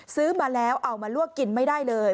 ซื้อมาแล้วเอามาลวกกินไม่ได้เลย